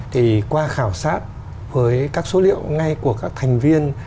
thì qua khảo sát với các số liệu ngay của các thành viên